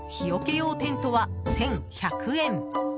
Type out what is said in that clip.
用テントは、１１００円。